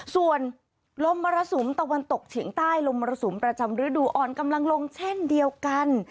ส่วนลมมรสุมตะวันตกเฉียงใต้ลมมรสุมประจำฤดูอ่อนกำลังลงเช่นเดียวกัน